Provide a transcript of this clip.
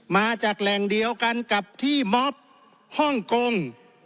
มาจากแหล่งเดียวกันกับที่มอบฮ่องกง